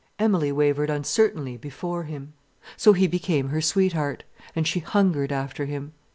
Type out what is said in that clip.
Emilie wavered uncertainly before him. So he became her sweetheart, and she hungered after him.